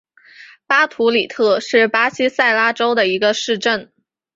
巴图里特是巴西塞阿拉州的一个市镇。